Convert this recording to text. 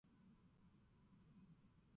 びっくりぽん。